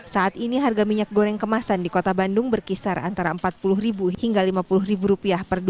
saat ini harga minyak goreng kemasan di kota bandung berkisar antara rp empat puluh hingga rp lima puluh